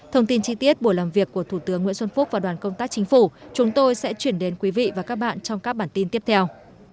thông tin chi tiết buổi làm việc của thủ tướng nguyễn xuân phúc và đoàn công tác chính phủ chúng tôi sẽ chuyển đến quý vị và các bạn trong các bản tin tiếp theo